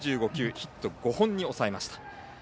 ヒット５本に抑えました。